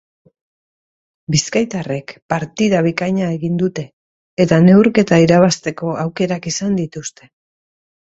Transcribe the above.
Bizkaitarrek partida bikaina egin dute eta neurketa irabazteko aukerak izan dituzte.